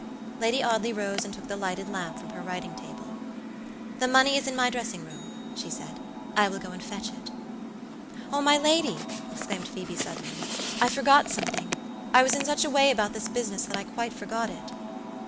Lady Audley rose and took the lighted lamp from her writing table. "The money is in my dressing room," she said; "I will go and fetch it." "Oh, my lady," exclaimed Phoebe, suddenly, "I forgot something; I was in such a way about this business that I quite forgot it."